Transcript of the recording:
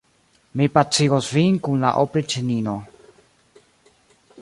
Mi pacigos vin kun la opriĉnino.